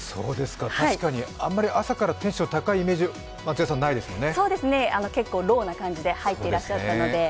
確かにあんまり朝からテンション高いイメージ松也さんないですもんね。